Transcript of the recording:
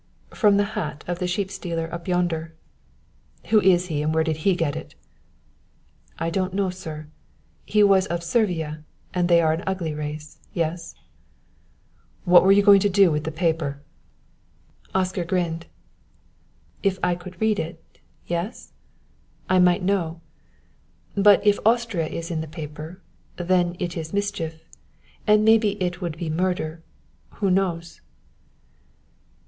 "From the hat of the sheep stealer up yonder." "Who is he and where did he get it?" "I don't know, sir. He was of Servia, and they are an ugly race yes?" "What were you going to do with the paper?" Oscar grinned. "If I could read it yes; I might know; but if Austria is in the paper, then it is mischief; and maybe it would be murder; who knows?"